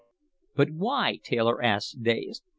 "But why?" Taylor asked, dazed.